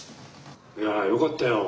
いやよかったよ。